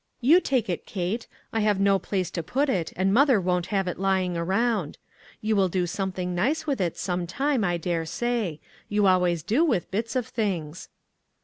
You take it, Kate. I have no place to put it, and mother won't have it lying round. You will do something nice with it some time, I dare say; you always do with bits of things."